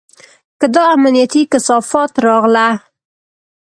که دا امنيتي کثافات راغله.